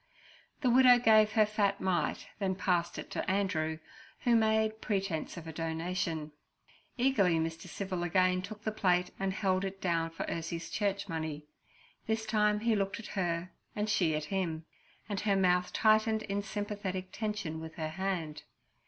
The widow gave her fat mite, then passed it to Andrew, who made pretence of a donation. Eagerly Mr. Civil again took the plate and again held it down for Ursie's church money. This time he looked at her and she at him, and her mouth tightened in sympathetic tension with her hand.